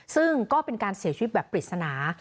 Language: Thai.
ซึ่งก็เป็นการเสียชีวิตแบบปริศนา